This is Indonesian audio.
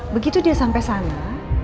begitu dia sampe sana